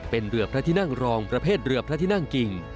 เป็นเรือพระที่นั่งรองประเภทเรือพระที่นั่งกิ่ง